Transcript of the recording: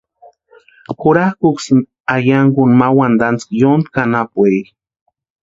Jurakʼuksïni ayankuni ma wantantskwa yóntki anapueri.